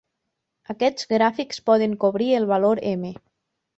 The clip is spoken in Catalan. Aquests gràfics poden cobrir el valor "M"